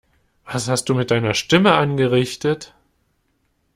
Was hast du mit deiner Stimme angerichtet?